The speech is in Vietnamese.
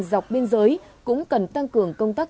dọc biên giới cũng cần tăng cường công tác